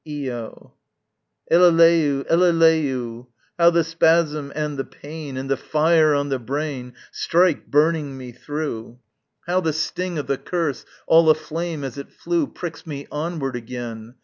Io. Eleleu, eleleu! How the spasm and the pain And the fire on the brain Strike, burning me through! How the sting of the curse, all aflame as it flew, Pricks me onward again!